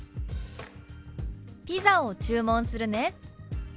「ピザを注文するね」。